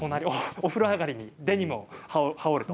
お風呂上がりにガウンを羽織ると。